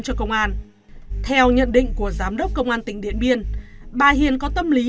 cho công an theo nhận định của giám đốc công an tỉnh điện biên bà hiền có tâm lý